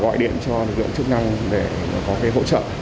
gọi điện cho thực dụng chức năng để có cái hỗ trợ